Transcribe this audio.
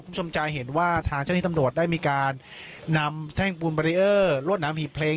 คุณผู้ชมใจเห็นว่าทางชั้นที่ตำลวดได้มีการนำแท่งปูนลวดน้ำหิบเพลง